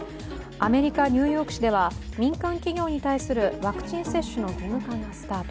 アメリカ・ニューヨーク市では民間企業に対するワクチン接種の義務化がスタート。